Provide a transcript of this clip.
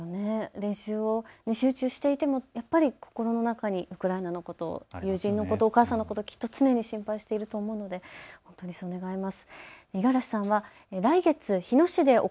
練習に集中していてもやっぱり心の中にウクライナのこと、友人のこと、お母さんのこと、きっと常に心配してると思うので本当にそう願います。